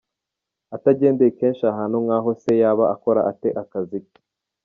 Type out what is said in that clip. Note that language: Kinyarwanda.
Atagendeye kenshi ahantu nk’aho se yaba akora ate akazi ke ?